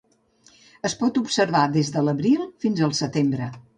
Es pot observar des de l'abril fins al setembre.